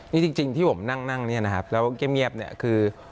นี่จริงที่ผมนั่งนี่นะครับแล้วก็เก็บเงียบคือ